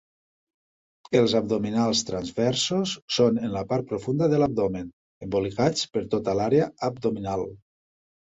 Els abdominals transversos són en la part profunda de l'abdomen, embolicats per tota l'àrea abdominal.